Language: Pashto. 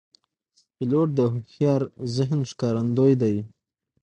پیلوټ د هوښیار ذهن ښکارندوی دی.